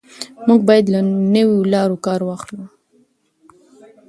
موږ باید له نویو لارو کار واخلو.